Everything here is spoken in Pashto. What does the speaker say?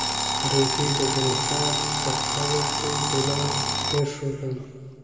رېدي د زلیخا په قبر کې ګلان کېښودل.